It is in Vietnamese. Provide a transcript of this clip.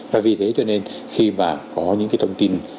và vì thế cho nên khi mà có những cái thông tin